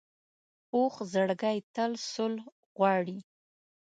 پوخ زړګی تل صلح غواړي